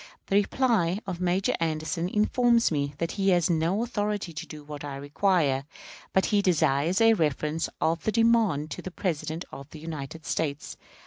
The reply of Major Anderson informs me that he has no authority to do what I required, but he desires a reference of the demand to the President of the United States.